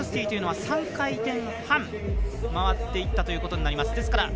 １２６０というのは３回転半回っていったということになります。